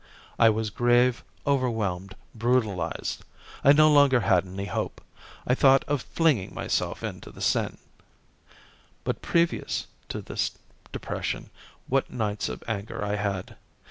I was grave, overwhelmed, brutalised. I no longer had any hope. I thought of flinging myself into the Seine. "But previous to this depression, what nights of anger I had.